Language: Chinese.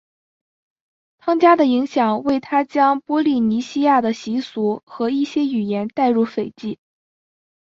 汤加的影响为他将波利尼西亚的习俗和一些语言带入斐济。